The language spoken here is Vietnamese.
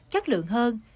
chất lượng hơn